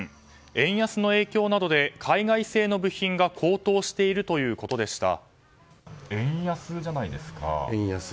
円安の影響などで海外製の部品が高騰しているということでした。